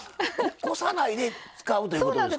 こさないで使うってことですか？